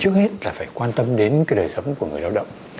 trước hết là phải quan tâm đến cái đời sống của người lao động